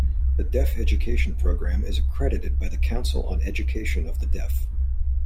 The Deaf Education program is accredited by the Council on Education of the Deaf.